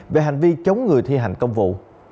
về hành vi chống người thi hành công vụ